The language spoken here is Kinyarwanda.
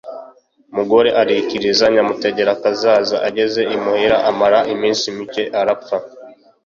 Umugore arikiriza Nyamutegerakazaza ageze imuhira, amara iminsi mike arapfa.